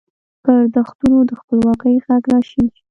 پر دښتونو د خپلواکۍ ږغ را شین شي